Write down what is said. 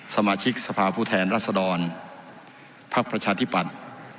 สมาชิกสภาพผู้แทนรัศดรภักดิ์ประชาธิปัตย์